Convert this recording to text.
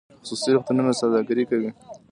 خصوصي روغتونونه سوداګري کوي